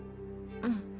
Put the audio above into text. うん。